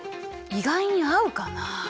意外に合うかなあ？